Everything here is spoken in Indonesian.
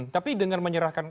tapi dengan menyerahkan